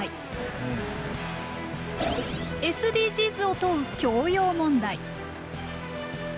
ＳＤＧｓを問う教養問題。